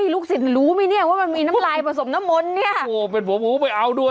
ลูกศิลปรู้ไหมเนี่ยว่ามันมีน้ำลายผสมน้ำมนต์เนี่ยโอ้โหเป็นผมโอ้ไม่เอาด้วย